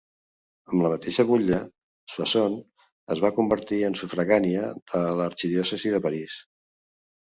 Amb la mateixa butlla, Soissons es va convertir en sufragània de l'arxidiòcesi de París.